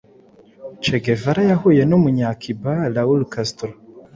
che guevara yahuye n’umunyacuba raul castro